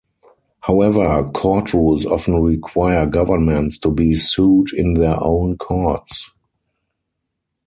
However, court rules often require governments to be sued in their own courts.